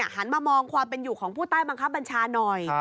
หันมามองความเป็นอยู่ของผู้ใต้บังคับบัญชาหน่อย